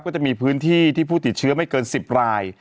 ก็จะมีพื้นที่ที่ผู้ติดเชื้อไม่เกิน๑๐ราย